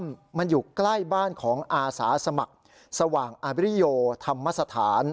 มันอยู่ใกล้บ้านของอาสาสมัครสว่างอาบริโยธรรมสถาน